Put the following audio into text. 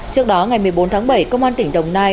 trước đó ngày một mươi bốn tháng bảy công an tỉnh đồng nai